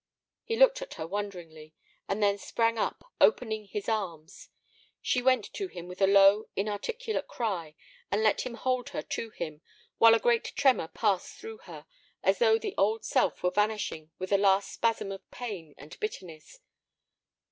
He looked at her wonderingly, and then sprang up, opening his arms. She went to him with a low, inarticulate cry, and let him hold her to him, while a great tremor passed through her, as though the old self were vanishing with a last spasm of pain and bitterness.